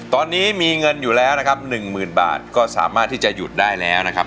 ตอนนี้มีเงินอยู่แล้วนะครับหนึ่งหมื่นบาทก็สามารถที่จะหยุดได้แล้วนะครับ